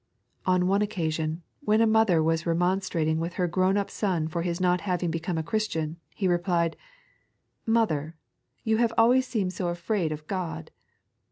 On one occasion, when a mother was remonstrating with her grown up eon for his not having become a Christian, he replied :*' Mother, you have always seemed so afraid of God.